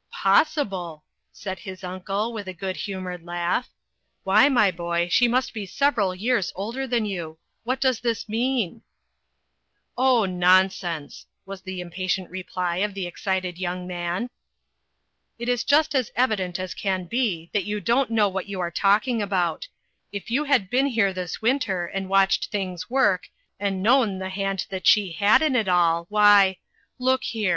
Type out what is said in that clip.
" Possible !" said his uncle, with a good humored laugh. " Why, my boy, she must be several years older than you! What does this mean ?"" Oh, nonsense !" was the impatient reply of the excited young man. " It is just as evident as can be, that you don't know what you are talking about. If you had been here this winter, and watched things work, and known the hand that she had in it all, why look here!